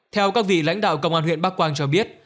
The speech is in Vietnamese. theo các vị lãnh đạo công an huyện bắc quang cho biết